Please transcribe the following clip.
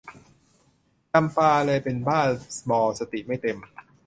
จำปาเลยเป็นบ้าบอสติไม่เต็ม